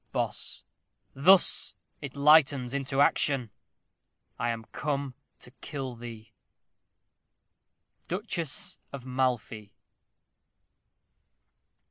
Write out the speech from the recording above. Bos. Thus it lightens into action: I am come to kill thee. _Duchess of Malfy.